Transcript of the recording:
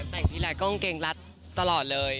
แต่งที่แหละกางเกงรัตติดตลอดเลย